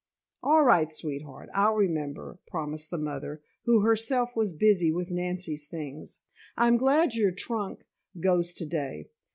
"All right, sweet heart, I'll remember," promised the mother, who herself was busy with Nancy's things. "I'm glad your trunk goes today.